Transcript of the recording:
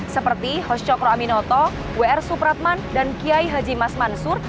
seperti hos cokro aminoto wr supratman dan kiai haji mas mansur